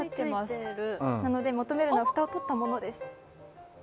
なので求めるのはフタをとったものです。